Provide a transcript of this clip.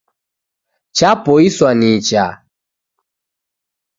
Chapoiswa nicha